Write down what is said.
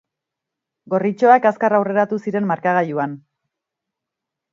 Gorritxoak azkar aurreratu ziren markagailuan.